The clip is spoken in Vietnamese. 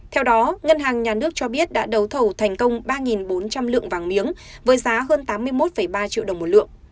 theo đó ngân hàng nhà nước cho biết đã đấu thầu thành công ba bốn trăm linh lượng vàng miếng với giá hơn tám mươi một ba triệu đồng một lượng